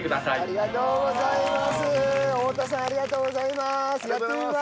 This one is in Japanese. ありがとうございます。